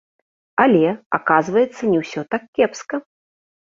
Але, аказваецца, не ўсё так кепска.